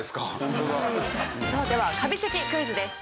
さあではカビ咳クイズです。